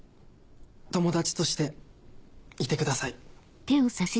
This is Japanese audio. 友達としていてください。